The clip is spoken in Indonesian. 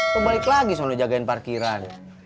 lo balik lagi soalnya jagain parkiran